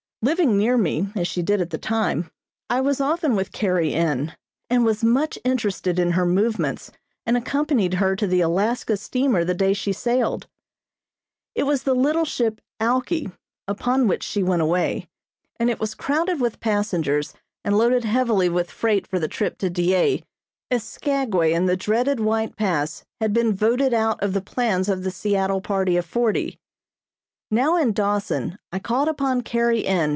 Living near me, as she did at the time, I was often with Carrie N. and was much interested in her movements and accompanied her to the Alaska steamer the day she sailed. It was the little ship "Alki" upon which she went away, and it was crowded with passengers and loaded heavily with freight for the trip to Dyea, as Skagway and the dreaded White Pass had been voted out of the plans of the Seattle party of forty. [Illustration: GOING TO DAWSON IN WINTER.] Now in Dawson I called upon Carrie N.